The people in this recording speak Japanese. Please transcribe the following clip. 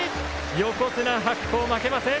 横綱白鵬負けません。